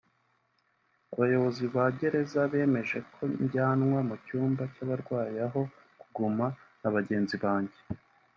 abayobozi ba gereza bemeje ko njyanwa mu cyumba cy’abarwayi aho kugumana na bagenzi banjye